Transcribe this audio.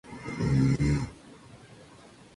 Contiene algunas de las más grandes especies de la familia.